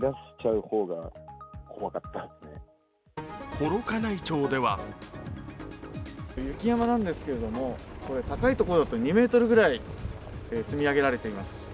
幌加内町では雪山なんですけど、高い所だと２ｍぐらい積み上げられています。